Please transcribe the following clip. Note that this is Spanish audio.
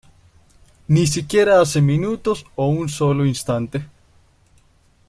Ni siquiera hace minutos o un sólo instante.